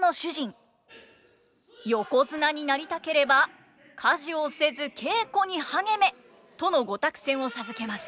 「横綱になりたければ家事をせず稽古に励め」との御託宣を授けます。